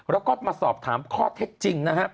แล้วก็มาสอบถามข้อเท็จจริงนะฮะ